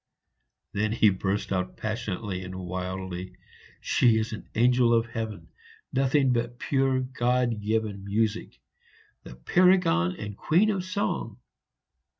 Then he burst out passionately and wildly, "She is an angel of heaven, nothing but pure God given music! the paragon and queen of song!"